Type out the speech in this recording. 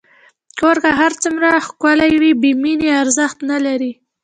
کور که هر څومره ښکلی وي، بېمینې ارزښت نه لري.